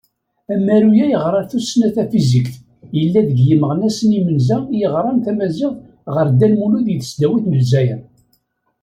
Amyaru-a yeɣra tussna tafizikt, yella gar yimeɣnasen imenza i yeɣran tamaziɣt ɣer Dda Lmulud di tesdawit n Lezzayer.